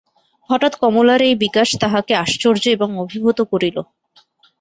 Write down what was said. হঠাৎ কমলার এই বিকাশ তাহাকে আশ্চর্য এবং অভিভূত করিল।